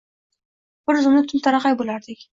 Bir zumda tum-taraqay boʻlardik.